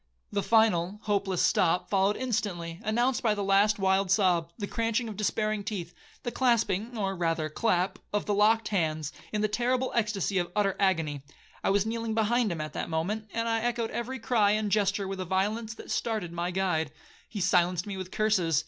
The final—hopeless stop followed instantly, announced by the last wild sob, the cranching of despairing teeth, the clasping, or rather clap, of the locked hands, in the terrible extacy of utter agony. I was kneeling behind him at that moment, and I echoed every cry and gesture with a violence that started my guide. He silenced me with curses.